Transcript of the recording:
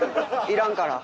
いらんから。